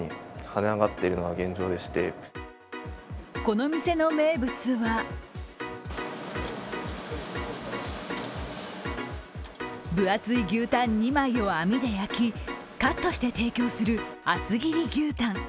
この店の名物は分厚い牛タン２枚を網で焼きカットして提供する厚切り牛タン。